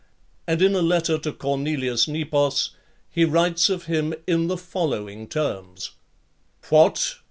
And in a letter to Cornelius Nepos, he writes of him in the following terms: "What!